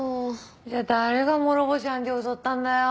じゃあ誰が諸星判事を襲ったんだよ。